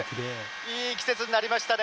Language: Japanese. いい季節になりましたね。